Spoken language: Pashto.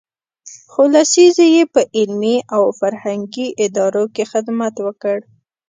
څو لسیزې یې په علمي او فرهنګي ادارو کې خدمت وکړ.